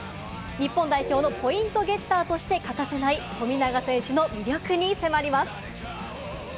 日本代表のポイントゲッターとして欠かせない富永選手の魅力に迫ります。